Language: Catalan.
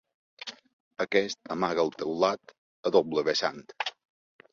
Aquest amaga el taulat a doble vessant.